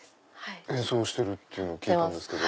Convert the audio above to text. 演奏してるって聞いたんですけど。